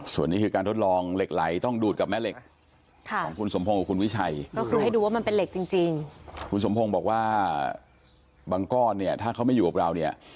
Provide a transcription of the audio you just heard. ส่วนนี้คือการทดลองเหล็กไหลต้องดูดกับแม่เหล็กของคุณสมพงศ์กับคุณวิชัยก็คือให้ดูว่ามันเป็นเหล็กจริงคุณสมพงศ์บอกว่าบางก้อนเนี่ยถ้าเขาไม่อยู่กับเราเนี่ย